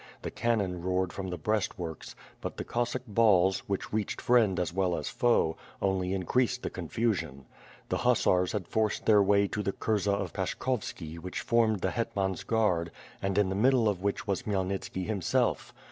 The can non roared from the breast works, but the Cossack balls, which reached friend as well as. foe, only increased the con fusion. The hussars had forced their way to the kurza of Paschkovski which formed the hetmans guard, and in the middle of which was Khmyelnitski himself.